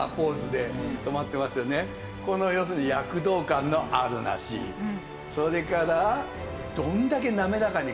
この要するに躍動感のあるなしそれから。